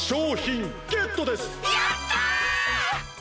やった！